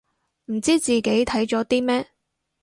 唔知自己睇咗啲咩